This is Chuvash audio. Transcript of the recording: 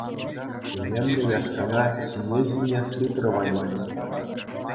Техӗмлӗ яшкана ҫине-ҫине сыпрӗ Ванюк.